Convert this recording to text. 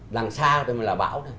làng xa thôi mà là bão thôi